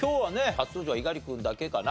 初登場は猪狩君だけかな。